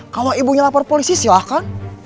kalau ibunya lapor polisi silahkan